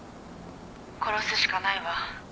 「殺すしかないわ。